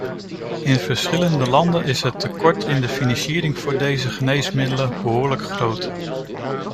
In verschillende landen is het tekort in de financiering voor deze geneesmiddelen behoorlijk groot.